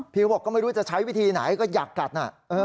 บอกก็ไม่รู้จะใช้วิธีไหนก็อยากกัดน่ะ